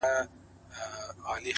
• تا خو د یاجوجو له نکلونو بېرولي وو ,